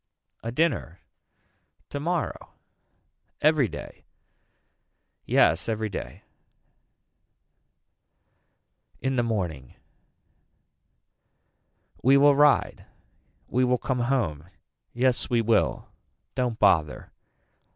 A dinner. Tomorrow. Every day. Yes every day. In the morning. We will ride. We will come home. Yes we will. Don't bother.